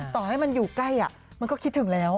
ต่อให้มันอยู่ใกล้มันก็คิดถึงแล้ว